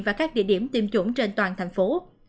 và các địa điểm tiêm chủng trên toàn thành phố